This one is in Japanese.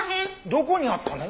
どこにあったの？